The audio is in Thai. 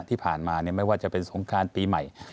ที่ผ่านมาไม่ว่าจะเป็นสงครานปีใหม่